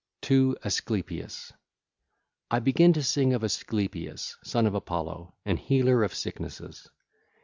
XVI. TO ASCLEPIUS (ll. 1 4) I begin to sing of Asclepius, son of Apollo and healer of sicknesses.